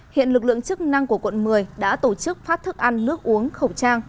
hiện lực lượng chức năng của quận một mươi đã tổ chức phát thức ăn nước uống khẩu trang